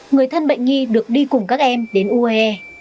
người thân bệnh nghi được đi cùng các em đến ue